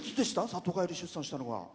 里帰り出産したのが。